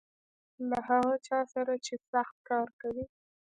له هغه چا سره چې سخت کار کوي .